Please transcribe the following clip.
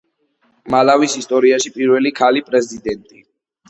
მალავის ისტორიაში პირველი ქალი პრეზიდენტი.